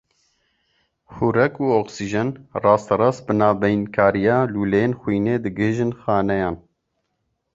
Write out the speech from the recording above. Xurek û oksîjen rasterast bi navbeynkariya lûleyên xwînê digihîjin xaneyan.